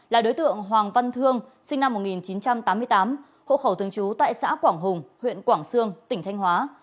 là đối tượng hoàng văn thương sinh năm một nghìn chín trăm tám mươi tám hộ khẩu thường trú tại xã quảng hùng huyện quảng sương tỉnh thanh hóa